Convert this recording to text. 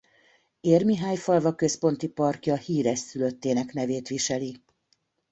Érmihályfalva központi parkja híres szülöttének nevét viseli.